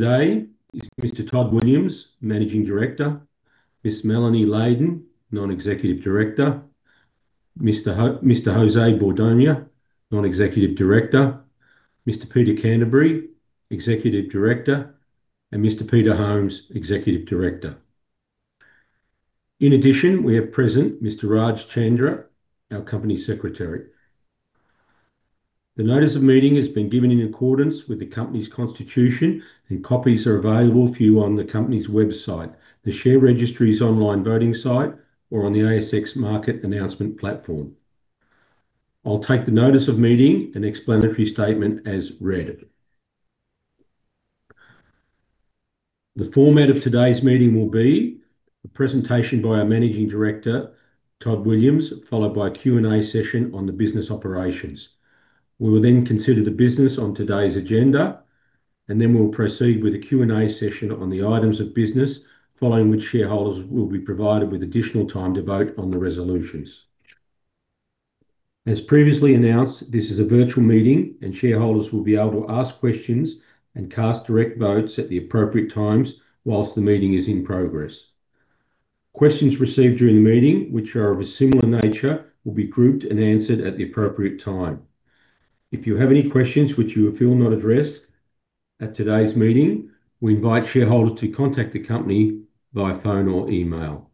Today is Mr. Todd Williams, Managing Director. Ms. Melanie Leydin, Non-Executive Director. Mr. José Bordogna, Non-Executive Director. Mr. Peter Canterbury, Executive Director, and Mr. Peter Holmes, Executive Director. In addition, we have present Mr. Rajeev Chandra, our Company Secretary. The notice of meeting has been given in accordance with the company's constitution, and copies are available for you on the company's website, the share registry's online voting site, or on the ASX market announcement platform. I'll take the notice of meeting and explanatory statement as read. The format of today's meeting will be a presentation by our Managing Director, Todd Williams, followed by a Q&A session on the business operations. We will then consider the business on today's agenda, and then we'll proceed with a Q&A session on the items of business, following which shareholders will be provided with additional time to vote on the resolutions. As previously announced, this is a virtual meeting, and shareholders will be able to ask questions and cast direct votes at the appropriate times while the meeting is in progress. Questions received during the meeting, which are of a similar nature, will be grouped and answered at the appropriate time. If you have any questions which you feel not addressed at today's meeting, we invite shareholders to contact the company via phone or email.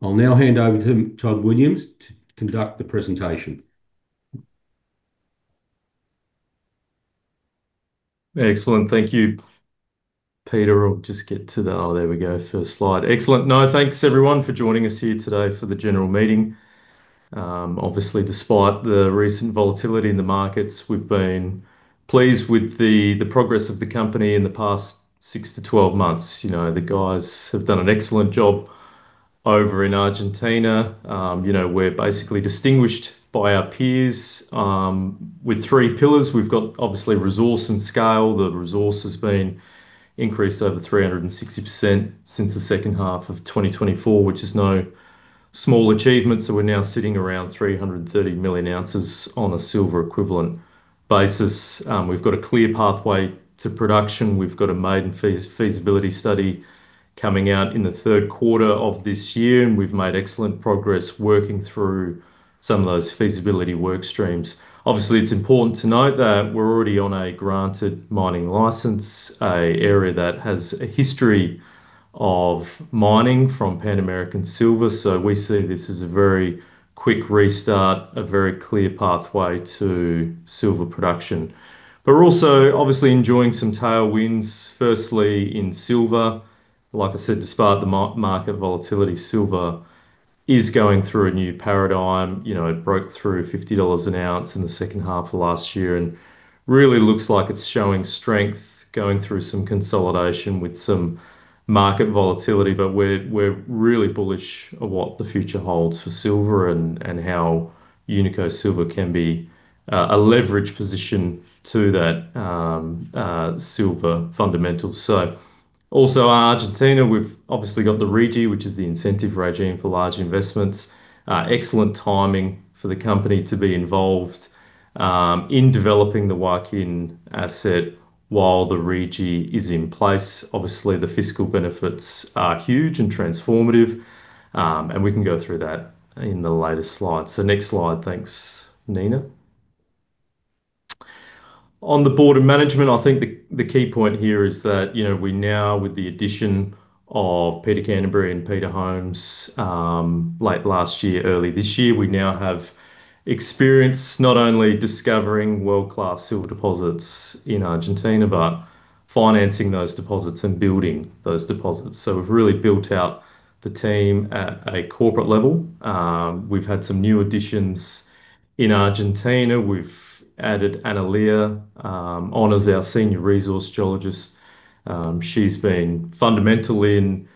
I'll now hand over to Todd Williams to conduct the presentation. Excellent. Thank you, Peter. Excellent. No, thanks everyone for joining us here today for the general meeting. Obviously, despite the recent volatility in the markets, we've been pleased with the progress of the company in the past six to 12 months. You know, the guys have done an excellent job over in Argentina. You know, we're basically distinguished from our peers with three pillars. We've got obviously resource and scale. The resource has been increased over 360% since the second half of 2024, which is no small achievement. We're now sitting around 330 million ounces on a silver equivalent basis. We've got a clear pathway to production. We've got a maiden feasibility study coming out in the third quarter of this year, and we've made excellent progress working through some of those feasibility work streams. Obviously, it's important to note that we're already on a granted mining license, an area that has a history of mining from Pan American Silver. We see this as a very quick restart, a very clear pathway to silver production. We're also obviously enjoying some tailwinds, firstly in silver. Like I said, despite the market volatility, silver is going through a new paradigm. You know, it broke through $50 an ounce in the second half of last year and really looks like it's showing strength going through some consolidation with some market volatility. We're really bullish on what the future holds for silver and how Unico Silver can be a leverage position to that silver fundamentals. Also Argentina, we've obviously got the RIGI, which is the incentive regime for large investments. Excellent timing for the company to be involved in developing the Joaquin asset while the RIGI is in place. Obviously, the fiscal benefits are huge and transformative, and we can go through that in the later slides. Next slide. Thanks, Nina. On the board of management, I think the key point here is that, you know, we now, with the addition of Peter Canterbury and Peter Holmes late last year, early this year, we now have experience not only discovering world-class silver deposits in Argentina, but financing those deposits and building those deposits. We've really built out the team at a corporate level. We've had some new additions in Argentina. We've added Analía on as our senior resource geologist. She's been fundamental in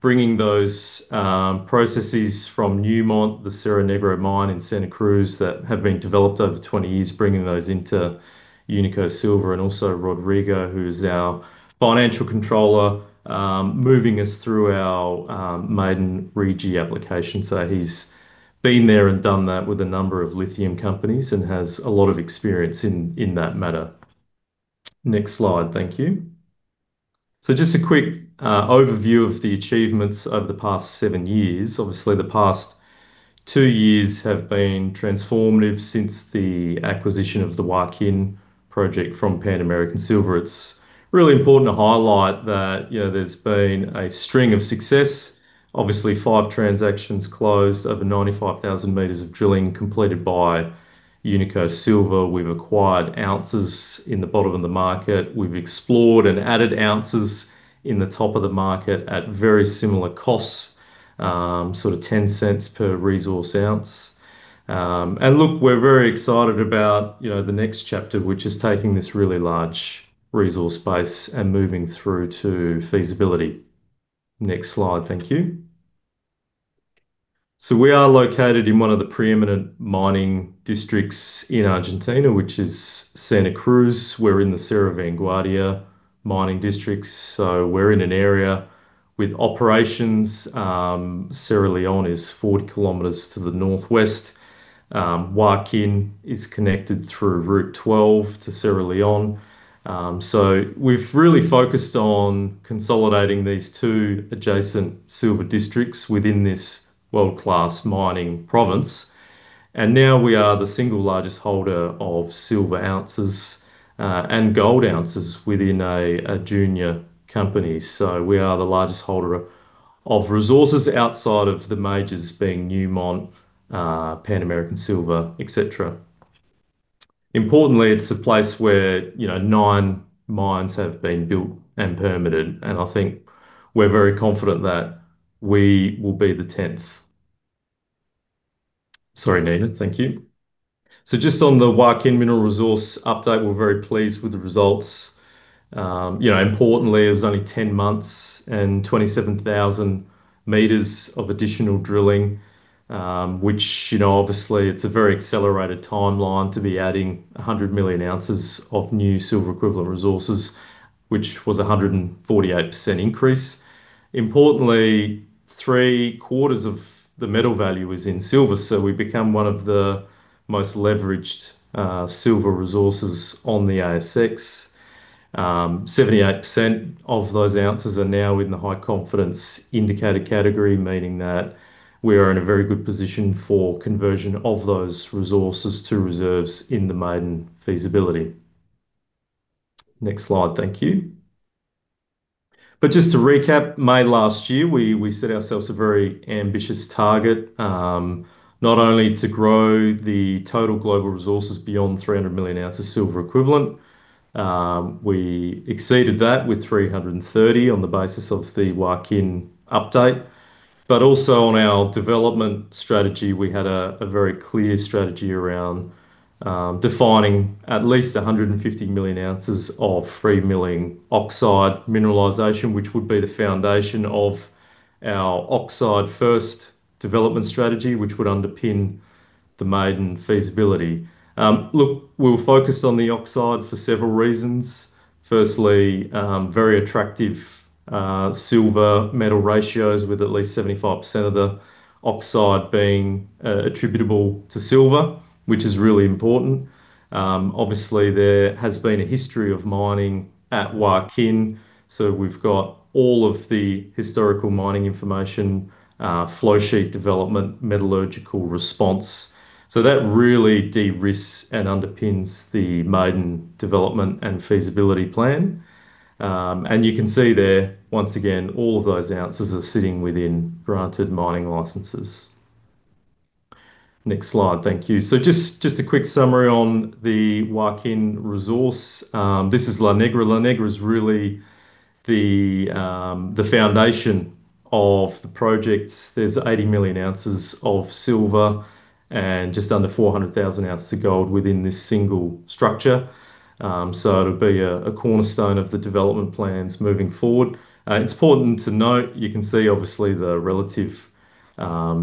bringing those processes from Newmont, the Cerro Negro mine in Santa Cruz that have been developed over 20 years, bringing those into Unico Silver. Also Rodrigo, who's our financial controller, moving us through our maiden RIGI application. He's been there and done that with a number of lithium companies and has a lot of experience in that matter. Next slide, thank you. Just a quick overview of the achievements over the past seven years. Obviously, the past two years have been transformative since the acquisition of the Joaquin project from Pan American Silver. It's really important to highlight that, you know, there's been a string of success. Obviously, five transactions closed, over 95,000 meters of drilling completed by Unico Silver. We've acquired ounces in the bottom of the market. We've explored and added ounces in the top of the market at very similar costs, sort of 0.10 per resource ounce. Look, we're very excited about, you know, the next chapter, which is taking this really large resource base and moving through to feasibility. Next slide, thank you. We are located in one of the preeminent mining districts in Argentina, which is Santa Cruz. We're in the Cerro Vanguardia mining district. We're in an area with operations. Cerro León is 40 km to the northwest. Joaquin is connected through Route 12 to Cerro León. We've really focused on consolidating these two adjacent silver districts within this world-class mining province. Now we are the single largest holder of silver ounces and gold ounces within a junior company. We are the largest holder of resources outside of the majors being Newmont, Pan American Silver, et cetera. Importantly, it's a place where, you know, nine mines have been built and permitted, and I think we're very confident that we will be the 10th. Sorry, Nina. Thank you. Just on the Joaquin mineral resource update, we're very pleased with the results. You know, importantly, it was only 10 months and 27,000 meters of additional drilling, which, you know, obviously it's a very accelerated timeline to be adding 100 million ounces of new silver equivalent resources, which was a 148% increase. Importantly, three-quarters of the metal value is in silver, so we've become one of the most leveraged silver resources on the ASX. 78% of those ounces are now in the high confidence indicated category, meaning that we are in a very good position for conversion of those resources to reserves in the maiden feasibility. Next slide, thank you. Just to recap, May last year, we set ourselves a very ambitious target, not only to grow the total global resources beyond 300 million ounces silver equivalent, we exceeded that with 330 on the basis of the Joaquin update. Also on our development strategy, we had a very clear strategy around defining at least 150 million ounces of free-milling oxide mineralization, which would be the foundation of our oxide first development strategy, which would underpin the maiden feasibility. Look, we were focused on the oxide for several reasons. Firstly, very attractive silver metal ratios with at least 75% of the oxide being attributable to silver, which is really important. Obviously there has been a history of mining at Joaquin, so we've got all of the historical mining information, flow sheet development, metallurgical response. So that really de-risks and underpins the maiden development and feasibility plan. You can see there, once again, all of those ounces are sitting within granted mining licenses. Next slide, thank you. Just a quick summary on the Joaquin resource. This is La Negra. La Negra is really the foundation of the projects. There's 80 million ounces of silver and just under 400,000 ounces of gold within this single structure. It'll be a cornerstone of the development plans moving forward. It's important to note, you can see obviously the relative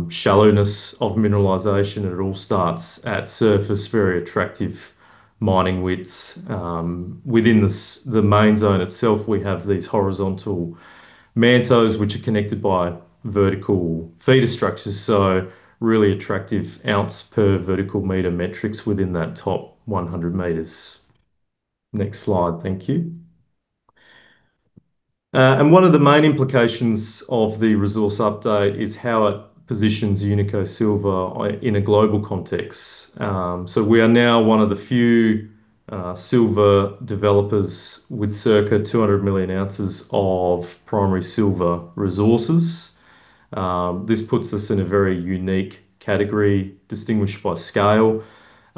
shallowness of mineralization. It all starts at surface, very attractive mining widths. Within the main zone itself, we have these horizontal mantos which are connected by vertical feeder structures. Really attractive ounce per vertical meter metrics within that top 100 meters. Next slide, thank you. One of the main implications of the resource update is how it positions Unico Silver in a global context. We are now one of the few silver developers with circa 200 million ounces of primary silver resources. This puts us in a very unique category, distinguished by scale.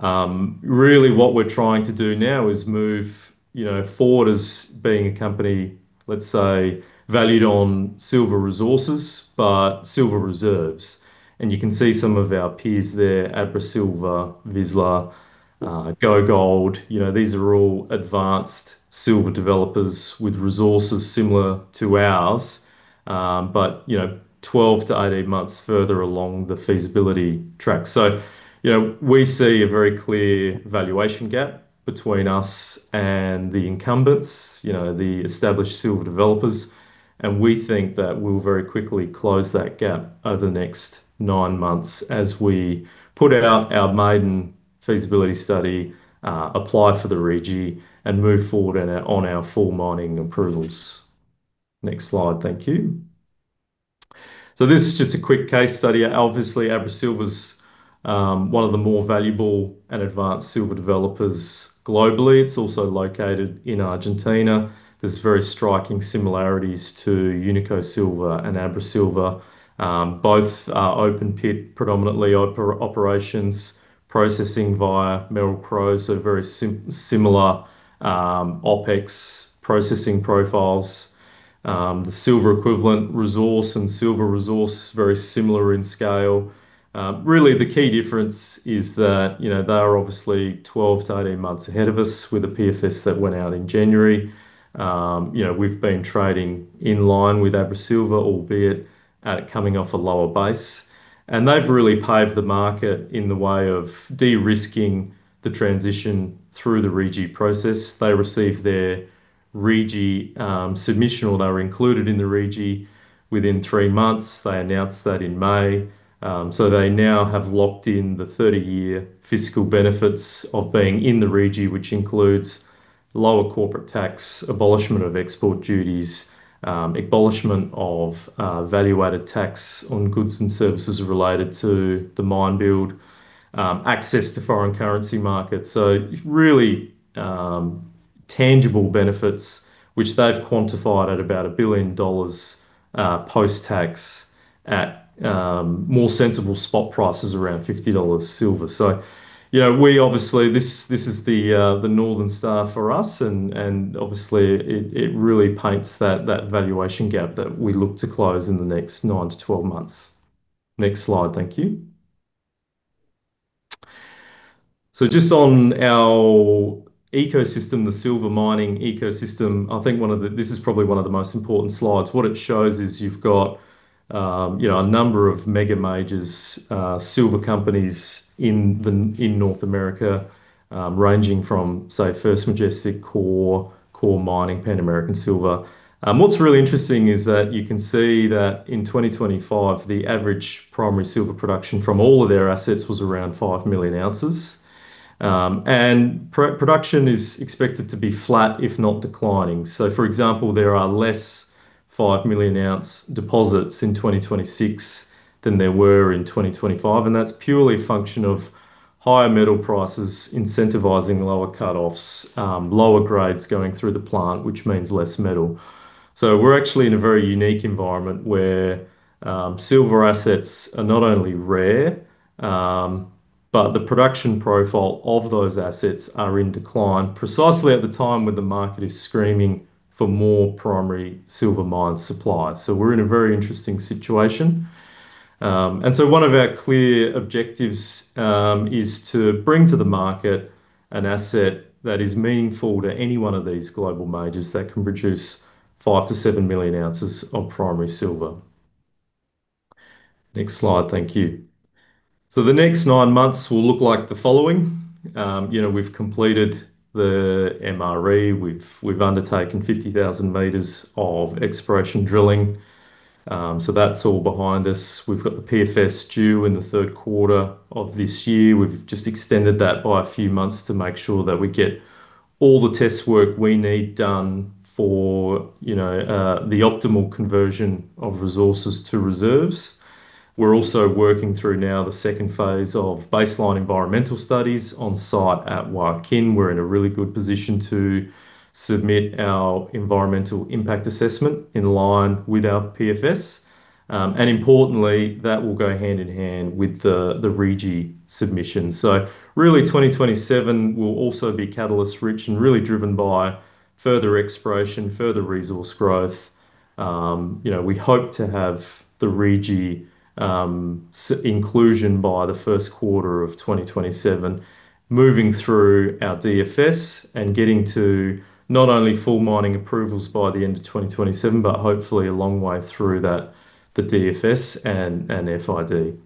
Really what we're trying to do now is move, you know, forward as being a company, let's say, valued on silver resources, but silver reserves. You can see some of our peers there, Abra Silver, Vizsla, GoGold. You know, these are all advanced silver developers with resources similar to ours. You know, 12-18 months further along the feasibility track. You know, we see a very clear valuation gap between us and the incumbents, you know, the established silver developers. We think that we'll very quickly close that gap over the next nine months as we put out our maiden feasibility study, apply for the RIGI, and move forward on our full mining approvals. Next slide, thank you. This is just a quick case study. Obviously, Abra Silver's one of the more valuable and advanced silver developers globally. It's also located in Argentina. There's very striking similarities to Unico Silver and Abra Silver. Both open pit, predominantly operations, processing via Merrill-Crowe. Very similar OpEx processing profiles. The silver equivalent resource and silver resource, very similar in scale. Really the key difference is that, you know, they are obviously 12-18 months ahead of us with a PFS that went out in January. You know, we've been trading in line with Abra Silver, albeit at coming off a lower base. They've really paved the market in the way of de-risking the transition through the RIGI process. They received their RIGI submission or they were included in the RIGI within three months. They announced that in May. They now have locked in the 30-year fiscal benefits of being in the RIGI, which includes lower corporate tax, abolishment of export duties, abolishment of value added tax on goods and services related to the mine build, access to foreign currency markets. Really, tangible benefits which they've quantified at about $1 billion, post-tax at more sensible spot prices around $50 silver. This is the Northern Star for us and obviously it really paints that valuation gap that we look to close in the next nine to 12 months. Next slide. Thank you. Just on our ecosystem, the silver mining ecosystem, I think this is probably one of the most important slides. What it shows is you've got a number of mega majors silver companies in North America ranging from, say, First Majestic, Coeur Mining, Pan American Silver. What's really interesting is that you can see that in 2025, the average primary silver production from all of their assets was around 5 million ounces. And production is expected to be flat if not declining. For example, there are less 5 million ounce deposits in 2026 than there were in 2025, and that's purely a function of higher metal prices incentivizing lower cut-offs, lower grades going through the plant, which means less metal. We're actually in a very unique environment where silver assets are not only rare, but the production profile of those assets are in decline precisely at the time when the market is screaming for more primary silver mine supply. We're in a very interesting situation. One of our clear objectives is to bring to the market an asset that is meaningful to any one of these global majors that can produce 5-7 million ounces of primary silver. Next slide. Thank you. The next nine months will look like the following. You know, we've completed the MRE. We've undertaken 50,000 meters of exploration drilling. That's all behind us. We've got the PFS due in the third quarter of this year. We've just extended that by a few months to make sure that we get all the test work we need done for, you know, the optimal conversion of resources to reserves. We're also working through now the phase II of baseline environmental studies on site at Joaquin. We're in a really good position to submit our environmental impact assessment in line with our PFS. Importantly, that will go hand in hand with the RIGI submission. Really, 2027 will also be catalyst rich and really driven by further exploration, further resource growth. You know, we hope to have the RIGI inclusion by the first quarter of 2027, moving through our DFS and getting to not only full mining approvals by the end of 2027, but hopefully a long way through that, the DFS and FID.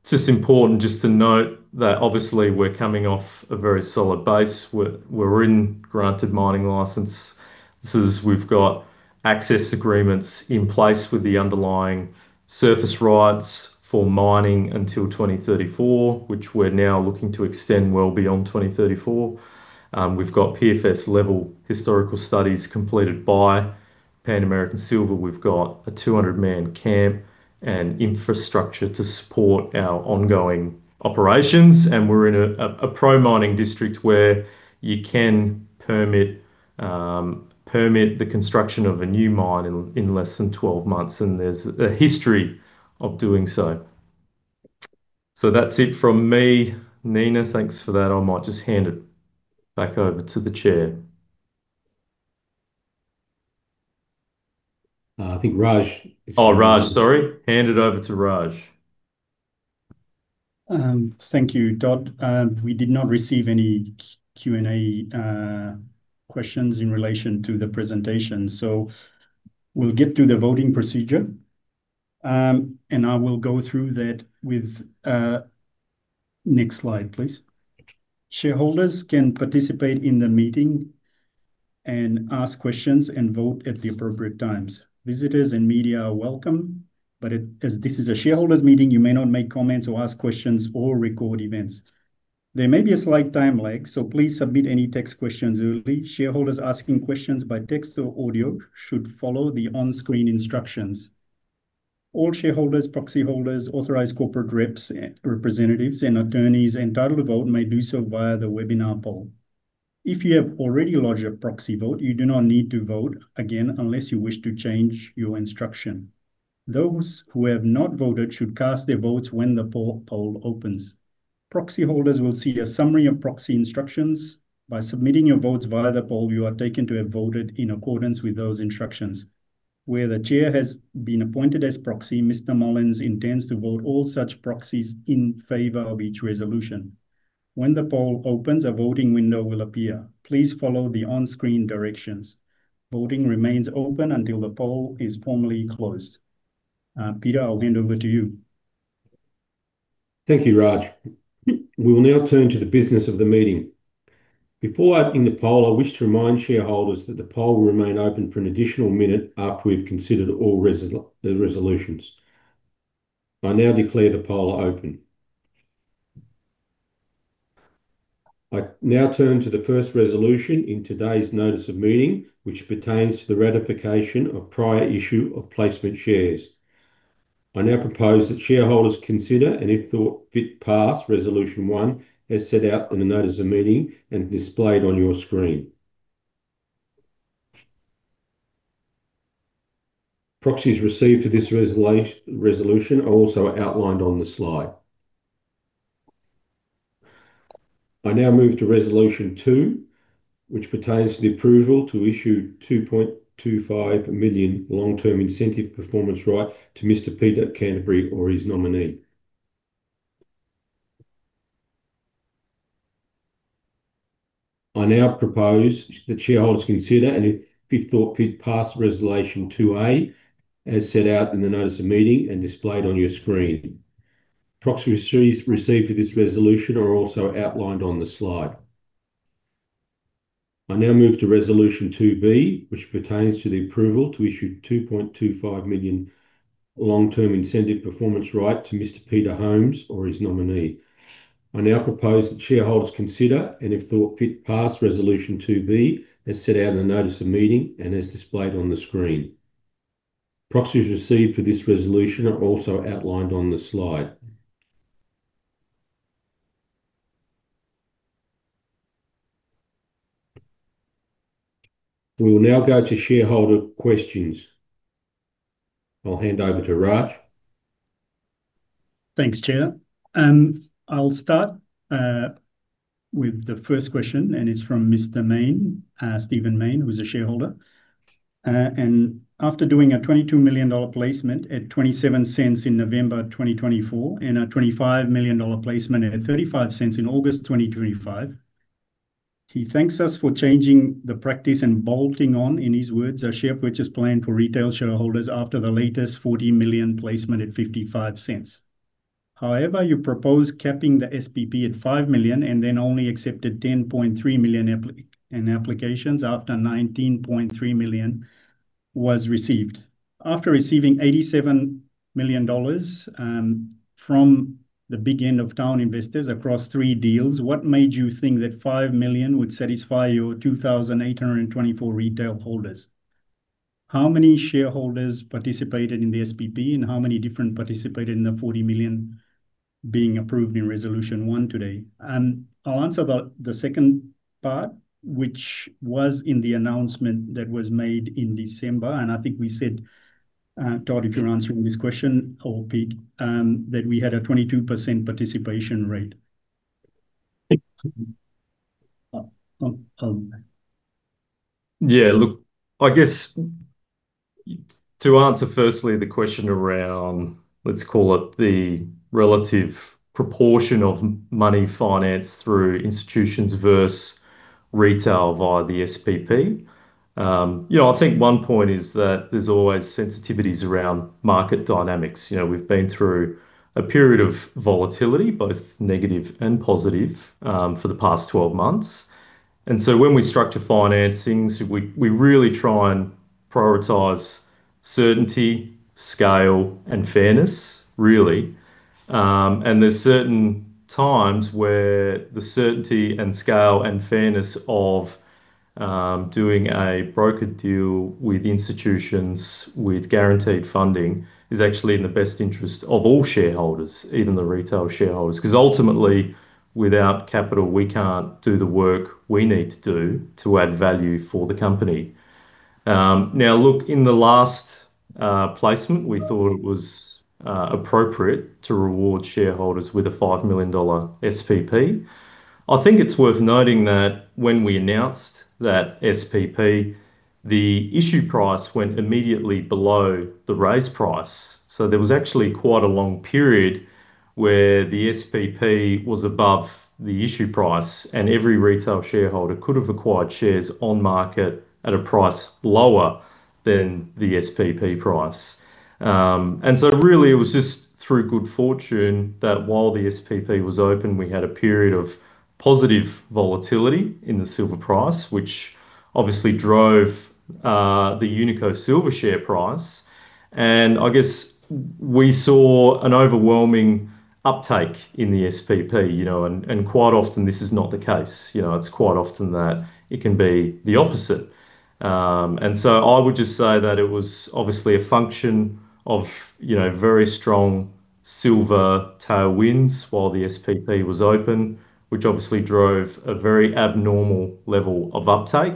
It's important to note that obviously we're coming off a very solid base. We're in a granted mining license. So as we've got access agreements in place with the underlying surface rights for mining until 2034, which we're now looking to extend well beyond 2034. We've got PFS level historical studies completed by Pan American Silver. We've got a 200-man camp and infrastructure to support our ongoing operations. We're in a pro-mining district where you can permit the construction of a new mine in less than 12 months, and there's a history of doing so. That's it from me. Nina, thanks for that. I might just hand it back over to the chair. I think Raj. Oh, Raj. Sorry. Hand it over to Raj. Thank you, Todd. We did not receive any Q&A questions in relation to the presentation, so we'll get to the voting procedure. I will go through that with. Next slide, please. Shareholders can participate in the meeting and ask questions and vote at the appropriate times. Visitors and media are welcome, but as this is a shareholders meeting, you may not make comments or ask questions or record events. There may be a slight time lag, so please submit any text questions early. Shareholders asking questions by text or audio should follow the on-screen instructions. All shareholders, proxy holders, authorized corporate reps, representatives and attorneys entitled to vote may do so via the webinar poll. If you have already lodged a proxy vote, you do not need to vote again unless you wish to change your instruction. Those who have not voted should cast their votes when the poll opens. Proxy holders will see a summary of proxy instructions. By submitting your votes via the poll, you are taken to have voted in accordance with those instructions. Where the chair has been appointed as proxy, Mr. Mullins intends to vote all such proxies in favor of each resolution. When the poll opens, a voting window will appear. Please follow the on-screen directions. Voting remains open until the poll is formally closed. Peter, I'll hand over to you. Thank you, Raj. We will now turn to the business of the meeting. Before opening the poll, I wish to remind shareholders that the poll will remain open for an additional minute after we've considered all the resolutions. I now declare the poll open. I now turn to the first resolution in today's notice of meeting, which pertains to the ratification of prior issue of placement shares. I now propose that shareholders consider, and if thought fit, pass Resolution 1 as set out on the notice of meeting and displayed on your screen. Proxies received for this resolution are also outlined on the slide. I now move to Resolution 2, which pertains to the approval to issue 2.25 million long-term incentive performance right to Mr. Peter Canterbury or his nominee. I now propose that shareholders consider, and if thought fit, pass Resolution 2A as set out in the notice of meeting and displayed on your screen. Proxies received for this resolution are also outlined on the slide. I now move to Resolution 2B, which pertains to the approval to issue 2.25 million long-term incentive performance right to Mr. Peter Holmes or his nominee. I now propose that shareholders consider, and if thought fit, pass Resolution 2B as set out in the notice of meeting and as displayed on the screen. Proxies received for this resolution are also outlined on the slide. We will now go to shareholder questions. I'll hand over to Raj. Thanks, Chair. I'll start with the first question, and it's from Mr. Main, Steven Main, who's a shareholder. After doing a 22 million dollar placement at 0.27 in November 2024, and a 25 million dollar placement at 0.35 in August 2025, he thanks us for changing the practice and bolting on, in his words, a share purchase plan for retail shareholders after the latest 40 million placement at 0.55. However, you proposed capping the SPP at 5 million and then only accepted 10.3 million in applications after 19.3 million was received. After receiving 87 million dollars from the big end-of-town investors across three deals, what made you think that 5 million would satisfy your 2,824 retail holders? How many shareholders participated in the SPP and how many different participated in the 40 million being approved in Resolution 1 today? I'll answer the second part, which was in the announcement that was made in December, and I think we said, Todd, if you're answering this question or Pete, that we had a 22% participation rate. Yeah, look, I guess to answer firstly the question around, let's call it the relative proportion of money financed through institutions versus retail via the SPP. You know, I think one point is that there's always sensitivities around market dynamics. You know, we've been through a period of volatility, both negative and positive, for the past 12 months. When we structure financings, we really try and prioritize certainty, scale, and fairness, really. There's certain times where the certainty and scale and fairness of doing a broker deal with institutions with guaranteed funding is actually in the best interest of all shareholders, even the retail shareholders, because ultimately, without capital, we can't do the work we need to do to add value for the company. Now look, in the last placement, we thought it was appropriate to reward shareholders with a 5 million dollar SPP. I think it's worth noting that when we announced that SPP, the issue price went immediately below the raise price. There was actually quite a long period where the SPP was above the issue price, and every retail shareholder could have acquired shares on market at a price lower than the SPP price. Really, it was just through good fortune that while the SPP was open, we had a period of positive volatility in the silver price, which obviously drove the Unico Silver share price. I guess we saw an overwhelming uptake in the SPP, you know. Quite often this is not the case. You know, it's quite often that it can be the opposite. I would just say that it was obviously a function of, you know, very strong silver tailwinds while the SPP was open, which obviously drove a very abnormal level of uptake.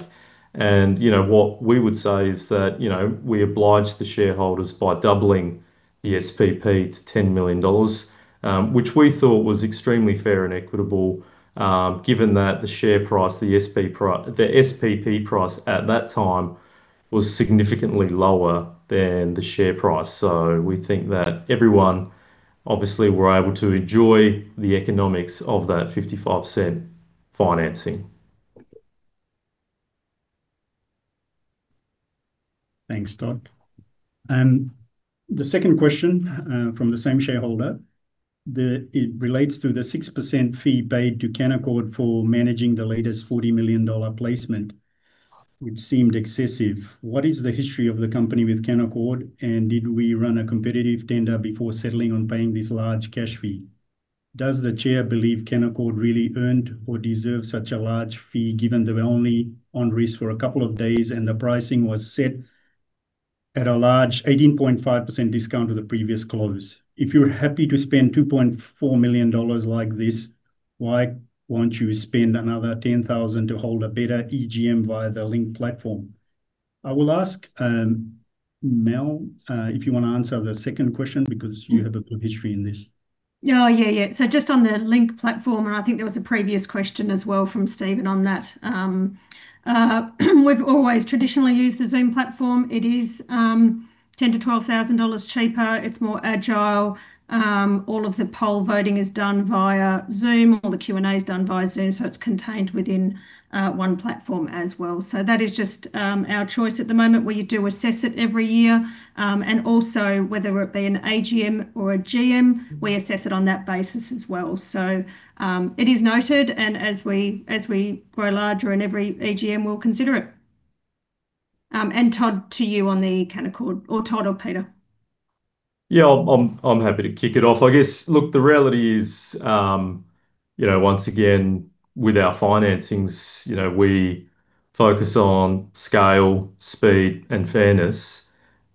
You know, what we would say is that, you know, we obliged the shareholders by doubling the SPP to 10 million dollars, which we thought was extremely fair and equitable, given that the share price, the SPP price at that time was significantly lower than the share price. We think that everyone obviously were able to enjoy the economics of that 0.55 financing. Thanks, Todd. The second question from the same shareholder, it relates to the 6% fee paid to Canaccord for managing the latest 40 million dollar placement, which seemed excessive. What is the history of the company with Canaccord, and did we run a competitive tender before settling on paying this large cash fee? Does the Chair believe Canaccord really earned or deserve such a large fee given they were only on risk for a couple of days and the pricing was set at a large 18.5% discount to the previous close? If you're happy to spend 2.4 million dollars like this, why won't you spend another 10,000 to hold a better EGM via the Link platform? I will ask, Mel, if you wanna answer the second question because you have a good history in this. Oh, yeah. Just on the Link platform, and I think there was a previous question as well from Steven on that. We've always traditionally used the Zoom platform. It is 10,000-12,000 dollars cheaper. It's more agile. All of the poll voting is done via Zoom. All the Q&A is done via Zoom, so it's contained within one platform as well. That is just our choice at the moment. We do assess it every year. Whether it be an AGM or a GM, we assess it on that basis as well. It is noted, and as we grow larger in every AGM, we'll consider it. Todd, to you on the Canaccord. Or Todd or Peter. Yeah. I'm happy to kick it off. I guess, look, the reality is, you know, once again, with our financings, you know, we focus on scale, speed, and fairness.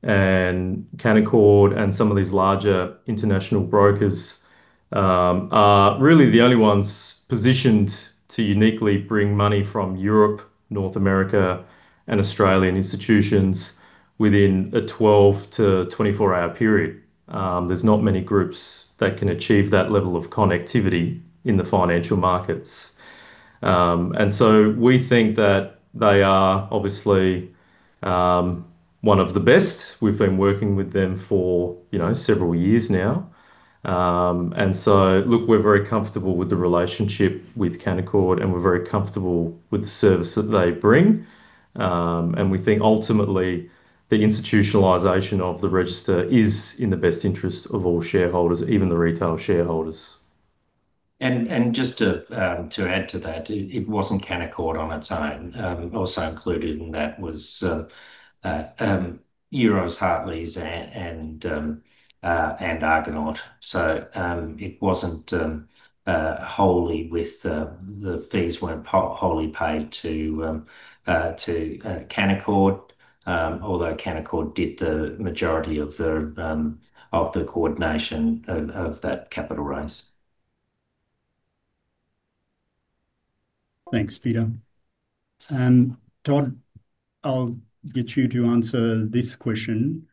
Canaccord and some of these larger international brokers are really the only ones positioned to uniquely bring money from Europe, North America, and Australian institutions within a 12-24 hour period. There's not many groups that can achieve that level of connectivity in the financial markets. We think that they are obviously one of the best. We've been working with them for, you know, several years now. Look, we're very comfortable with the relationship with Canaccord, and we're very comfortable with the service that they bring. We think ultimately the institutionalization of the register is in the best interest of all shareholders, even the retail shareholders. Just to add to that, it wasn't Canaccord on its own. Also included in that was Euroz Hartleys and Argonaut. The fees weren't wholly paid to Canaccord. Although Canaccord did the majority of the coordination of that capital raise. Thanks, Peter. Todd, I'll get you to answer this question.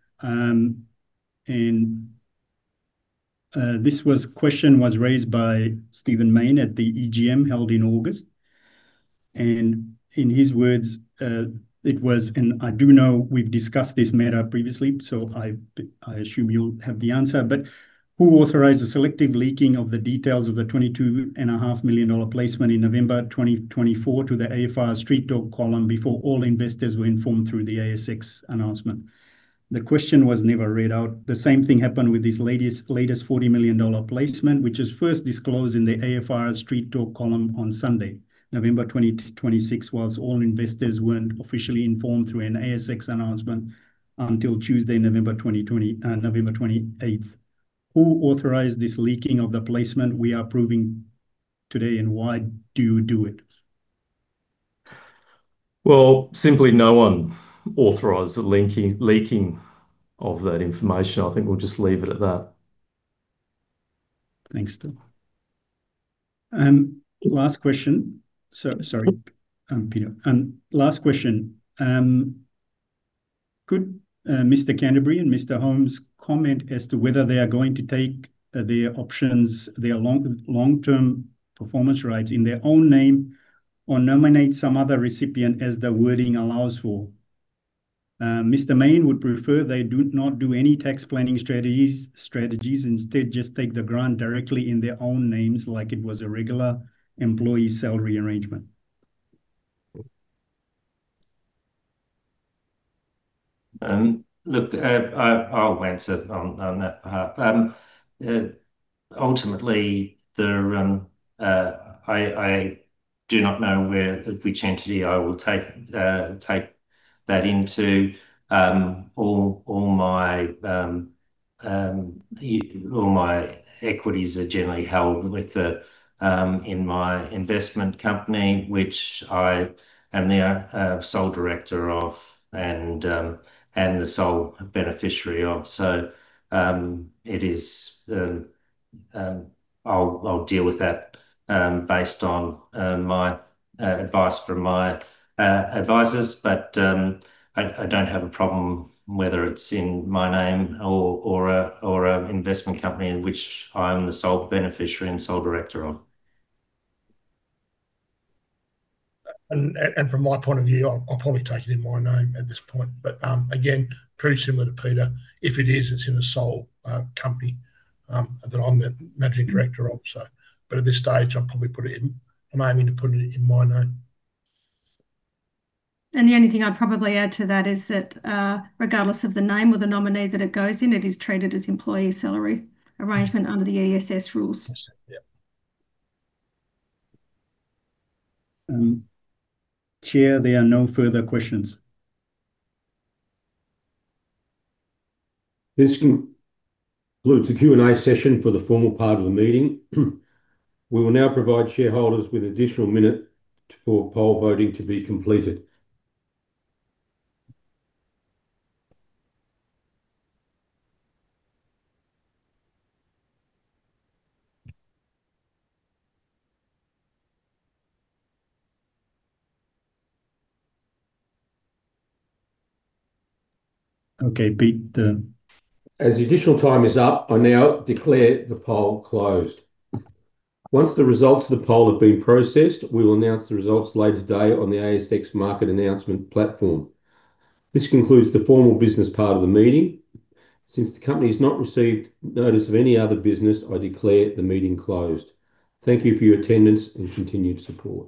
Question was raised by Steven Main at the EGM held in August. In his words, it was. I do know we've discussed this matter previously, so I assume you'll have the answer. Who authorized the selective leaking of the details of the 22.5 million dollar placement in November 2024 to the AFR Street Talk column before all investors were informed through the ASX announcement? The question was never read out. The same thing happened with this latest 40 million dollar placement, which was first disclosed in the AFR Street Talk column on Sunday, November 2026, while all investors weren't officially informed through an ASX announcement until Tuesday, November 28th, 2020. Who authorized this leaking of the placement we are approving today, and why do you do it? Well, simply no one authorized the leaking of that information. I think we'll just leave it at that. Thanks, Todd. Last question. Sorry, Peter. Could Mr. Canterbury and Mr. Holmes comment as to whether they are going to take their long-term performance rights in their own name or nominate some other recipient as the wording allows for? Mr. Main would prefer they do not do any tax planning strategies, instead just take the grant directly in their own names like it was a regular employee salary arrangement. Look, I'll answer on that part. Ultimately, I do not know where which entity I will take that into. All my equities are generally held in my investment company, which I am the sole director of and the sole beneficiary of. I'll deal with that based on my advice from my advisors. I don't have a problem whether it's in my name or a investment company in which I'm the sole beneficiary and sole director of. From my point of view, I'll probably take it in my name at this point. But again, pretty similar to Peter. If it is, it's in the sole company that I'm the managing director of. But at this stage, I'll probably put it in my name. I'm aiming to put it in my name. The only thing I'd probably add to that is that, regardless of the name or the nominee that it goes in, it is treated as employee share arrangement under the ESS rules. Yes. Yeah. Chair, there are no further questions. This concludes the Q&A session for the formal part of the meeting. We will now provide shareholders with additional minutes for poll voting to be completed. Okay, Pete. As the additional time is up, I now declare the poll closed. Once the results of the poll have been processed, we will announce the results later today on the ASX Market Announcements Platform. This concludes the formal business part of the meeting. Since the company's not received notice of any other business, I declare the meeting closed. Thank you for your attendance and continued support.